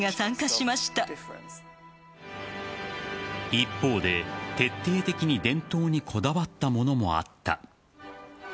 一方で、徹底的に伝統にこだわったものもあった。